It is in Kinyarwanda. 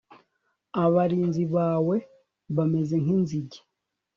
abarinzi bawe bameze nk'inzige